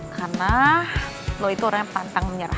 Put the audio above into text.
karena lo itu orang yang pantang menyerah